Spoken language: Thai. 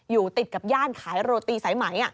อยู่ติดกับย่านขายโรตีสายไหม